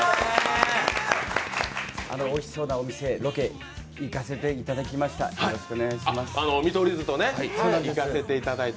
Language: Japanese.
おいしそうなお店、ロケ行かせていただきました。